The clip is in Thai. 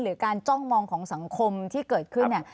หรือการจ้องมองของสังคมที่เกิดขึ้น